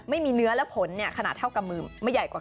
มีเนื้อและผลขนาดเท่ากำมือไม่ใหญ่กว่ากำมือ